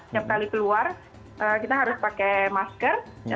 setiap kali keluar kita harus pakai masker